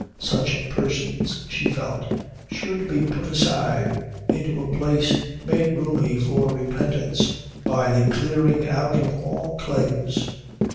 Such persons, she felt, should be put aside into a place made roomy for repentance by the clearing out of all claims.